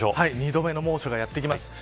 ２度目の猛暑がやってきます。